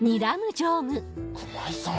熊井さん。